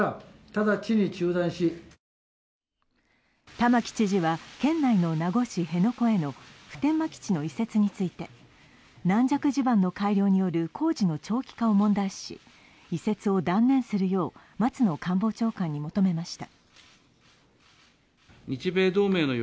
玉城知事は県内の名護市辺野古への普天間基地の移設について、軟弱地盤の改良による工事の長期化を問題視し移設を断念するよう松野官房長官に求めました。